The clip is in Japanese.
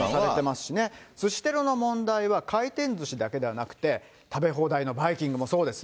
すしテロの問題は、回転ずしだけではなくて、食べ放題のバイキングもそうです。